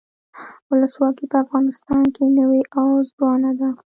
ولسواکي په افغانستان کې نوي او ځوانه ده.